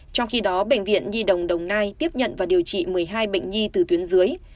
trong khi đó bệnh viện nhi đồng đồng nai tiếp nhận và điều trị một mươi hai bệnh nhi từ tuyến dưới